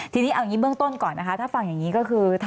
ทีนี้เอาอย่างนี้เบื้องต้นก่อนนะคะถ้าฟังอย่างนี้ก็คือ